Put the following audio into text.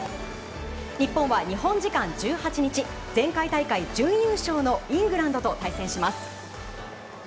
日本は日本時間１８日、前回大会準優勝のイングランドと対戦します。